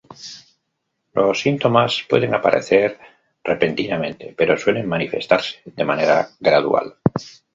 Los síntomas pueden aparecer repentinamente, pero suelen manifestarse de manera gradual.